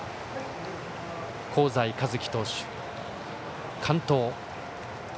香西一希投手、完投。